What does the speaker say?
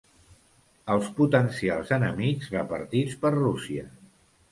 Els potencials enemics repartits per Rússia.